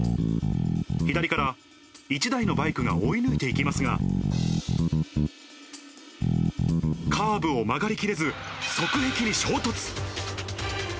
左から１台のバイクが追い抜いていきますが、カーブを曲がりきれず、側壁に衝突。